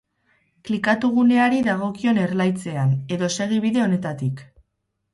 Klikatu guneari dagokion erlaitzean, edo segi bide honetatik.